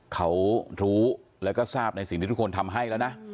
เขารู้แล้วก็ทราบในสิ่งที่ทุกคนทำให้แล้วนะ